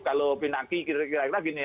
kalau pinaki kira kira gini